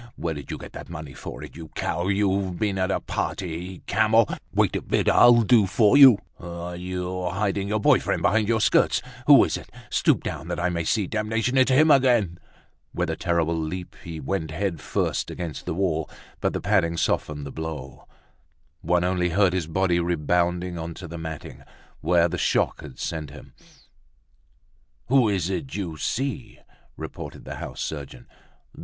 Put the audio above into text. Where did you get the money for it, you cow? You've been at a party, camel! Wait a bit and I'll do for you! Ah! you're hiding your boy friend behind your skirts. Who is it? Stoop down that I may see. Damnation, it's him again!" With a terrible leap, he went head first against the wall; but the padding softened the blow. One only heard his body rebounding onto the matting, where the shock had sent him. "Who is it you see?" repeated the house surgeon.